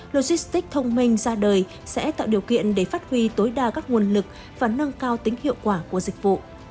logistics thông minh ra đời sẽ tạo điều kiện để phát huy tối đa các nguồn lực và nâng cao tính hiệu quả của dịch vụ